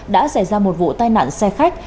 đã xảy ra một vụ tai nạn xe khách